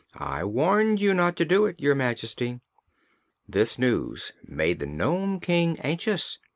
I warned you not to do it, Your Majesty." This news made the Nome King anxious.